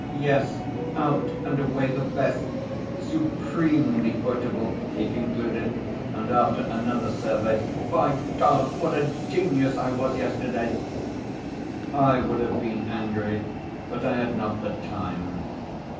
'Yes, out and away the best supremely quotable,' he concluded, and after another survey 'By God, what a genius I was yesterday!' I would have been angry, but I had not the time.